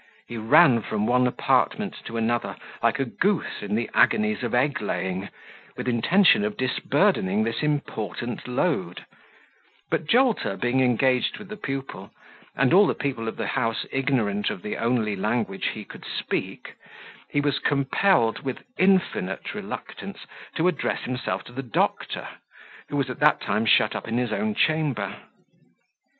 He ran from one apartment to another, like a goose in the agonies of egg laying, with intention of disburdening this important load; but Jolter being engaged with the pupil, and all the people of the house ignorant of the only language he could speak, he was compelled, with infinite reluctance, to address himself to the doctor, who was at that time shut up in his own chamber.